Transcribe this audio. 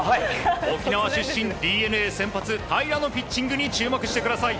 沖縄出身、ＤｅＮＡ先発平良のピッチングに注目してください。